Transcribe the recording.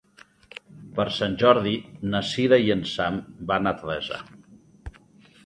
Per Sant Jordi na Sira i en Sam van a Teresa.